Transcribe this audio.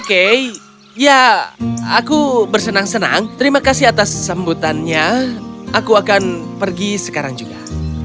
oke ya aku bersenang senang terima kasih atas sambutannya aku akan pergi sekarang juga